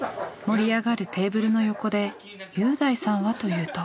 盛り上がるテーブルの横で侑大さんはというと。